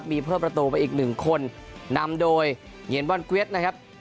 มีเพิ่มประตูไปอีกหนึ่งคนนำโดยเหงียนบอลเกวียดนะครับ